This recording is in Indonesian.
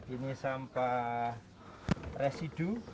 ini sampah residu